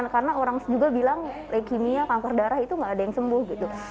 karena orang juga bilang lekingnya kanker darah itu nggak ada yang sembuh gitu